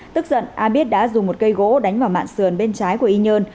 tức giận a biết đã dùng một cây gỗ đánh vào mạng sườn bên trái của y nhơn